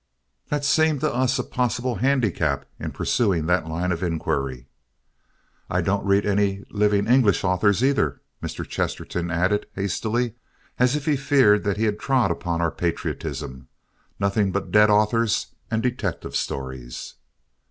That seemed to us a possible handicap in pursuing that line of inquiry. "I don't read any living English authors, either," Mr. Chesterton added hastily, as if he feared that he had trod upon our patriotism. "Nothing but dead authors and detective stories."